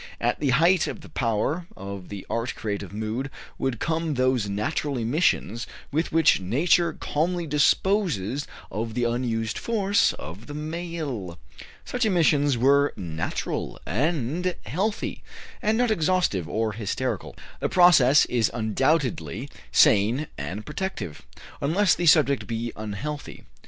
At the height of the power of the art creative mood would come those natural emissions with which Nature calmly disposes of the unused force of the male. Such emissions were natural and healthy, and not exhaustive or hysterical. The process is undoubtedly sane and protective, unless the subject be unhealthy.